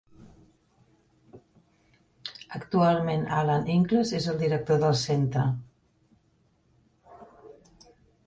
Actualment Alan Inkles és el director del centre.